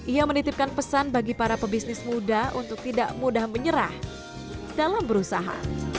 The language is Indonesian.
ia menitipkan pesan bagi para pebisnis muda untuk tidak mudah menyerah dalam berusaha